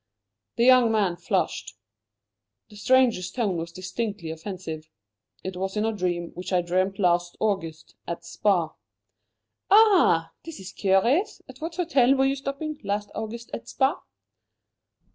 The young man flushed. The stranger's tone was distinctly offensive. "It was in a dream which I dreamt last August, at Spa." "Ah! This is curious. At what hotel were you stopping last August at Spa?"